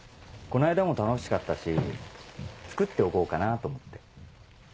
この間も楽しかったし作っておこうかなと思って。